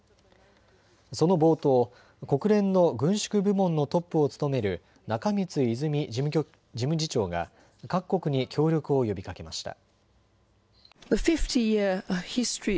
その冒頭、国連の軍縮部門のトップを務める中満泉事務次長が各国に協力を呼びかけました。